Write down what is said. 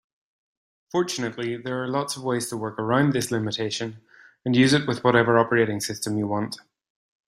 Fortunately, there are lots of ways to work around this limitation and use it with whatever operating system you want.